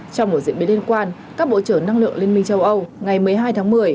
trong một diễn biến liên quan các bộ trưởng năng lượng liên minh châu âu ngày một mươi hai tháng một mươi